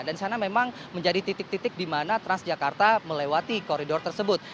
dan di sana memang menjadi titik titik di mana transjakarta melewati koridor tersebut